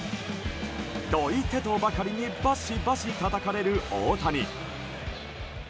どいて！とばかりにバシバシたたかれる大谷。